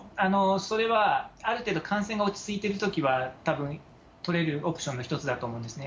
それはある程度、感染が落ち着いているときは、たぶん、取れるオプションの１つだと思うんですね。